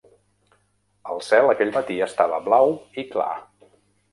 El cel aquell matí estava blau i clar.